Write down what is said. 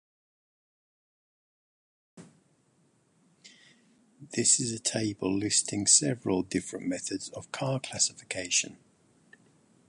This is a table listing several different methods of car classification.